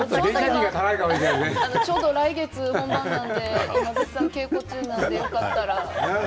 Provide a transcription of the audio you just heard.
ちょうど来月本番なので絶賛稽古中なので、よかったら。